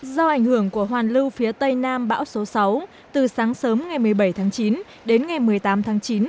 do ảnh hưởng của hoàn lưu phía tây nam bão số sáu từ sáng sớm ngày một mươi bảy tháng chín đến ngày một mươi tám tháng chín